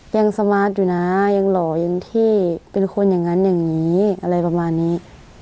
สมาร์ทอยู่นะยังหล่อยังที่เป็นคนอย่างนั้นอย่างนี้อะไรประมาณนี้